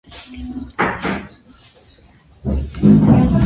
ჩვენი მსხლის ხეზე ქედანი ბუდობს.